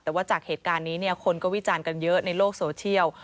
แต่ว่าจากเหตุการณ์นี้เนี่ยคนก็วิจารณ์กันเยอะในโลกโซเชียล